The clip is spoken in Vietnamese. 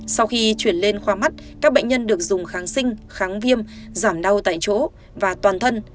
sau khi chuyển lên khoa mắt các bệnh nhân được dùng kháng sinh kháng viêm giảm đau tại chỗ và toàn thân